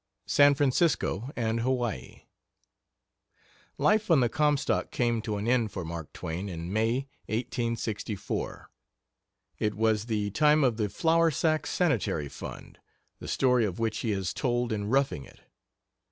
SAN FRANCISCO AND HAWAII Life on the Comstock came to an end for Mark Twain in May, 1864. It was the time of The Flour Sack Sanitary Fund, the story of which he has told in Roughing It.